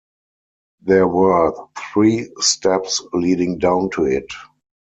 There were three steps leading down to it.